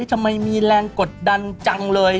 ทำไมมีแรงกดดันจังเลย